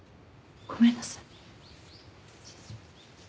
ごめんなさい。